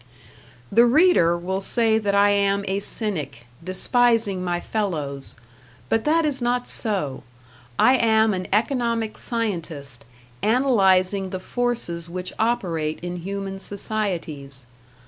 The reader will say that I am a cynic, despising my fellows; but that is not so. I am an economic scientist, analyzing the forces which operate in human societies.